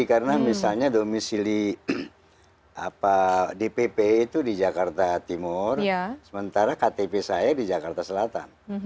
karena misalnya domisili di pp itu di jakarta timur sementara ktp saya di jakarta selatan